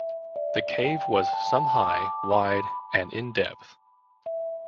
The cave was some high, wide and in depth.